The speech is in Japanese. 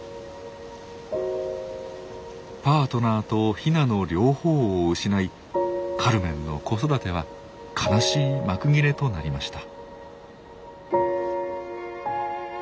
パートナーとヒナの両方を失いカルメンの子育ては悲しい幕切れとなりました。